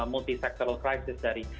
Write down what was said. multi sektoral crisis dari